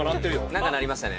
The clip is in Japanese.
何か鳴りましたね。